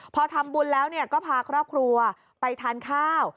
พอทำบุญแล้วก็พาครอบครัวไปทานข้าว